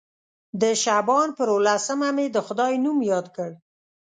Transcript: د شعبان پر اووه لسمه مې د خدای نوم یاد کړ.